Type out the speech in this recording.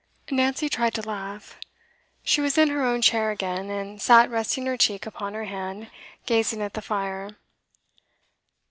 Nancy tried to laugh. She was in her own chair again, and sat resting her cheek upon her hand, gazing at the fire.